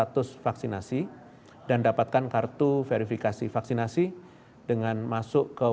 pengen lindungi dengan masuk ke